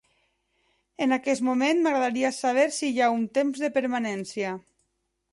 En aquest moment, m'agradaria saber si hi ha un temps de permanència.